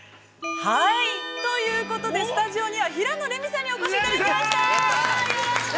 ◆はい、ということで、スタジオには、平野レミさんにお越しいただきました。